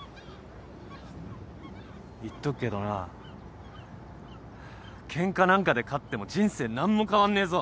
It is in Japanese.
言っとくけどなケンカなんかで勝っても人生何も変わんねえぞ。